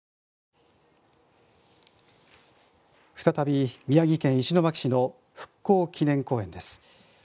再び宮城県石巻市の復興祈念公園です。